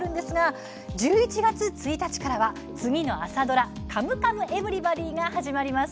１１月１日からは次の朝ドラ「カムカムエヴリバディ」が始まります。